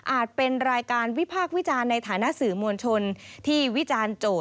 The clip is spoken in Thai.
เป็นรายการวิพากษ์วิจารณ์ในฐานะสื่อมวลชนที่วิจารณ์โจทย